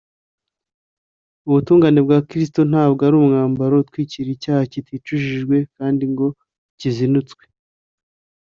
ubutungane bwa kristo ntabwo ari umwambaro utwikira icyaha kiticujijwe kandi kitazinutswe